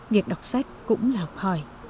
việc đọc sách cũng là học hỏi